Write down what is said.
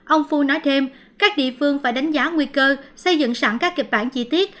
ông phu nói thêm các địa phương phải đánh giá nguy cơ xây dựng sẵn các kịch bản chi tiết